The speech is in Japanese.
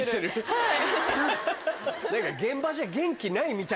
はい。